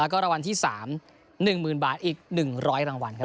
แล้วก็รางวัลที่๓๑๐๐๐บาทอีก๑๐๐รางวัลครับ